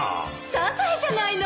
サザエじゃないの！